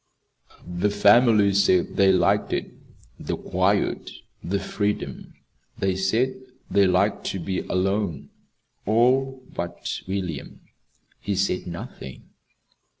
The family said they liked it the quiet, the freedom. They said they liked to be alone all but William. He said nothing.